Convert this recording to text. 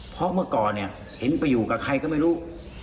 เพราะเมื่อก่อนเนี่ยเห็นไปอยู่กับใครก็ไม่รู้